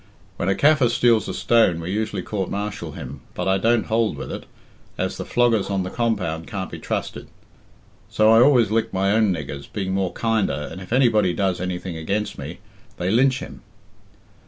When a Kaffir steals a stone we usually court martial him, but I don't hold with it, as the floggers on the compound can't be trusted; so I always lick my own niggers, being more kinder, and if anybody does anything against me, they lynch him."